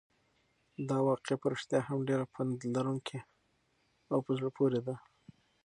دا واقعه په رښتیا هم ډېره پنده لرونکې او په زړه پورې ده.